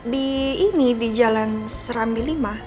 di ini di jalan serambi lima